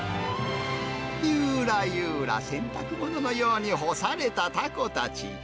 ゆーらゆーら、洗濯物のように干されたタコたち。